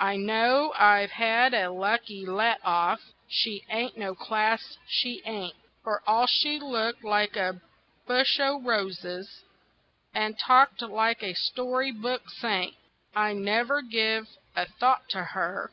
I know I've had a lucky let off she ain't no class, she ain't, For all she looked like a bush o' roses and talked like a story book saint. I never give a thought to her.